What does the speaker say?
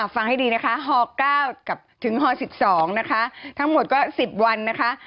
ฟังให้ดีนะคะฮ๙กับถึงฮ๑๒นะคะทั้งหมดก็๑๐วันนะคะ